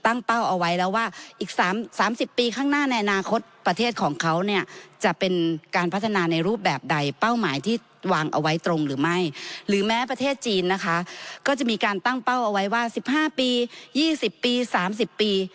นะคะก็จะมีการตั้งเป้าเอาไว้ว่าสิบห้าปียี่สิบปีสามสิบปี